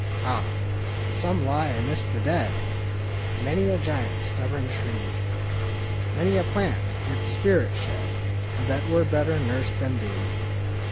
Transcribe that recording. Ah!— some lie amidst the dead, (Many a giant, stubborn tree,— 11 12 THE SNOWDROP Many a plant, its spirit shed), That were better nursed than thee!